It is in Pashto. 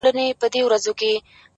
جالبه دا ده یار چي مخامخ جنجال ته ګورم’